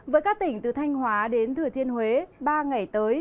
với các tỉnh từ thanh hóa đến thừa thiên huế ba ngày tới